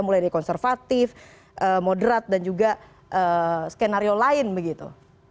mulai dari konservatif moderat dan juga skenario lain begitu